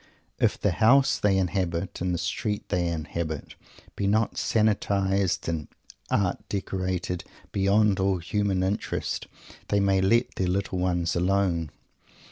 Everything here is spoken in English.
If the house they inhabit and the street they inhabit be not sanitarized and art decorated beyond all human interest, they may let their little ones alone.